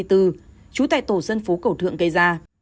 trú tại tổ dân phố cầu thượng gây ra